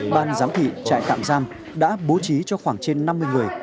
ban giám thị trại tạm giam đã bố trí cho khoảng trên năm mươi người